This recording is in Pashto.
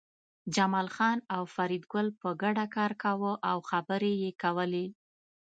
جمال خان او فریدګل په ګډه کار کاوه او خبرې یې کولې